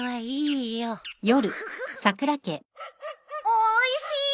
おいしい！